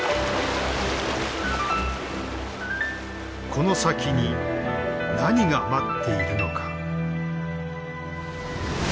この先に何が待っているのか。